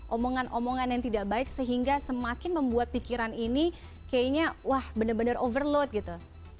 omongan omongan yang tidak baik sehingga semakin membuat pikiran ini kayaknya wah bener bener overload gitu